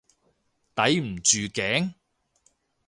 抵唔住頸？